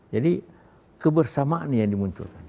jadi kebersamaan yang dimunculkan